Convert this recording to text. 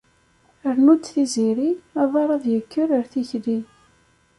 Rnu-d tiziri, aḍar ad yekker ar tikli.